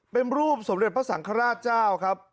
เป็นรูปสมเด็จพระสังฆราชเจ้าครับ